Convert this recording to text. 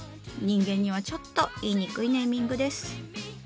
人間にはちょっと言いにくいネーミングです。